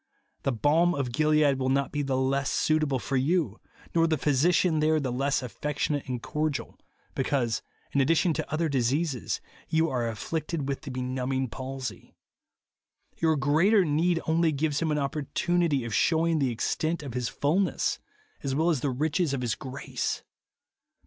The balm of Gilead will not be the less suitable for you, nor the physician there the less affectionate and cordial, because, in addition to other diseases, j^ou are afflicted with the be numbing palsy. Your greater need only gives him an opportunity of shewing the extent of his fulness, as well as the riches of his grace.